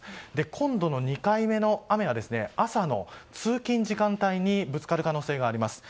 今度の２回目の雨は朝の通勤時間帯にぶつかる可能性があります。